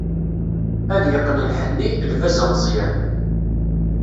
Ad yeqqen lḥenni, lbaz ameẓyan.